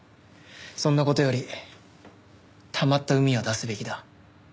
そんな事よりたまった膿は出すべきだ。